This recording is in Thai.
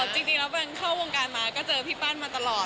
จริงแล้วเป็นเข้าวงการมาก็เจอพี่ปั้นมาตลอด